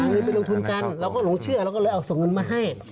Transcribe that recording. เราก็หลงเชื่อเราก็เลยเอาส่งเงินมาให้